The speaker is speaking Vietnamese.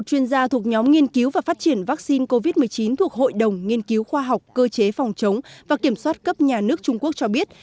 chuyên gia thuộc nhóm nghiên cứu và phát triển vaccine covid một mươi chín thuộc hội đồng nghiên cứu khoa học cơ chế phòng chống và kiểm soát cấp nhà nước trung quốc cho biết